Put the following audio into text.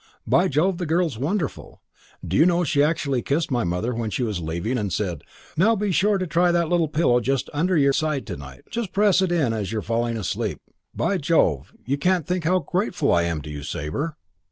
By Jove, the girl's wonderful. D'you know, she actually kissed my mother when she was leaving and said, 'Now be sure to try that little pillow just under your side to night. Just press it in as you're falling asleep.' By Jove, you can't think how grateful I am to you, Sabre."